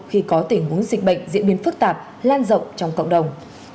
khi có tình huống dịch bệnh diễn biến phức tạp lan rộng trong cộng đồng